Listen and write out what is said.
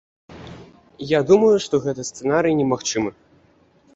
Я думаю, што гэты сцэнарый немагчымы.